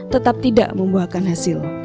tetap tidak membuahkan hasil